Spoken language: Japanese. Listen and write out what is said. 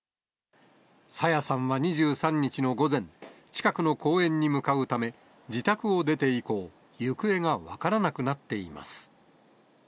朝芽さんは２３日の午前、近くの公園に向かうため、自宅を出て以降、行方が分からなくなっています。